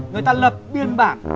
người ta lập biên bản